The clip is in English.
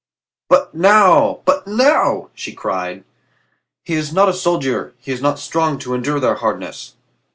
"But now, but now!" she cried. "He is not a soldier; he is not strong to endure their hardness."